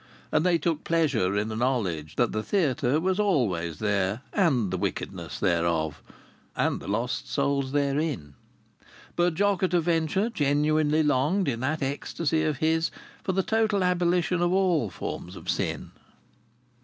And they took pleasure in the knowledge that the theatre was always there, and the wickedness thereof, and the lost souls therein. But Jock at a Venture genuinely longed, in that ecstasy of his, for the total abolition of all forms of sin.